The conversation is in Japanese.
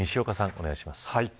お願いします。